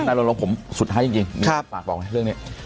น่ารักผมสุดท้ายจริงปากบอกให้เรื่องนี้